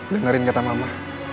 dengerin kata mama